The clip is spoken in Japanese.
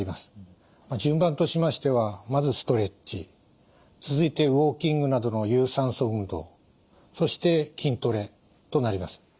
順番としましてはまずストレッチ続いてウォーキングなどの有酸素運動そして筋トレとなります。